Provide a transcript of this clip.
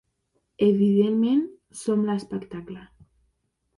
Evidentment, som l'espectacle.